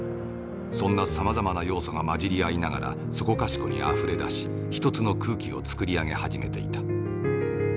そんなさまざまな要素が混じり合いながらそこかしこにあふれ出し一つの空気をつくり上げ始めていた。